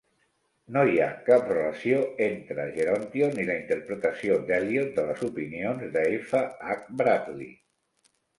No hi ha cap relació entre "Gerontion" i la interpretació d'Eliot de les opinions d'F. H. Bradley.